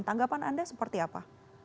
tanggapan anda seperti apa